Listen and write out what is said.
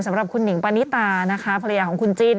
สำหรับคุณหนิงปานิตานะคะภรรยาของคุณจิ้น